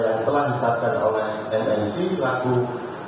dan berpikir yang menyala bagi perjuangan tim garuda kita